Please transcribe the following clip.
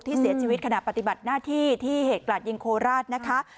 ที่เสียชีวิตขณะปฏิบัติหน้าที่ที่เหตุกลาดยิงโคราชนะคะ